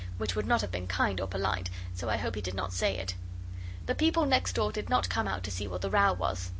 which would not have been kind or polite, so I hope he did not say it. The people next door did not come out to see what the row was.